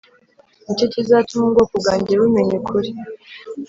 Ni cyo kizatuma ubwoko bwanjye bumenya ukuri